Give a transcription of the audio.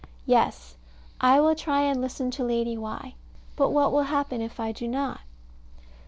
Yes, I will try and listen to Lady Why: but what will happen if I do not?